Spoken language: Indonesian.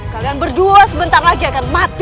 kalian berdua sebentar lagi akan mati